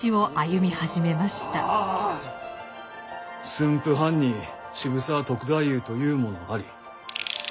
「駿府藩に渋沢篤太夫というものあり。